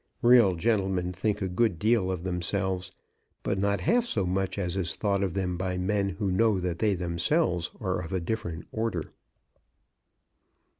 Real gentlemen think a good deal of themselves, but not half so much as is thought of them by men who know that they themselves are of a different order.